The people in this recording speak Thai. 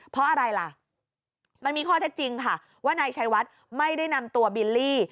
เพราะอะไรล่ะมันมีข้อเท็จจริงค่ะว่านายชัยวัดไม่ได้นำตัวบิลลี่